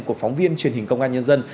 của phóng viên truyền hình công an nhân dân